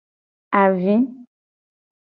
Avi.